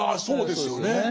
そうですよね。